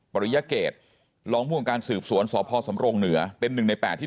ปริยเกตรองภูมิการสืบสวนสพสรงเนื้อเป็นหนึ่งในแปดที่